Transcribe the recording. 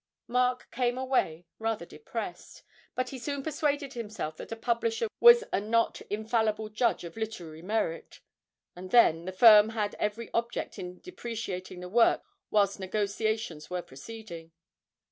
Mark came away rather depressed, but he soon persuaded himself that a publisher was a not infallible judge of literary merit; and then, the firm had every object in depreciating the work whilst negotiations were proceeding.